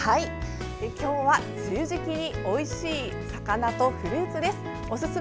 今日は梅雨時期においしい魚とフルーツです。